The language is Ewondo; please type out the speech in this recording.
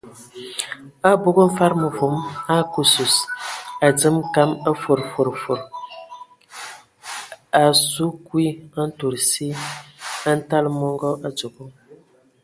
Abog mfad məvom a ake sus, a dzemə kam a fod fod fod, a a azu kwi ntud asi, a ntala mɔngɔ a dzogo.